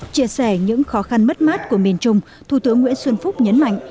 chia sẻ những khó khăn mất mát của miền trung thủ tướng nguyễn xuân phúc nhấn mạnh